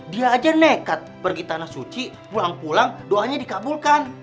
dia aja nekat pergi tanah suci pulang pulang doanya dikabulkan